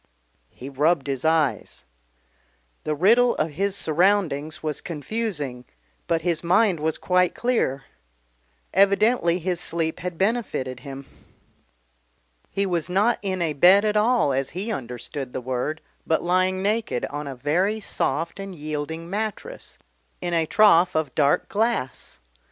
He rubbed his eyes. The riddle of his surroundings was confusing but his mind was quite clear evidently his sleep had benefited him. He was not in a bed at all as he understood the word, but lying naked on a very soft and yielding mattress, in a trough of dark glass.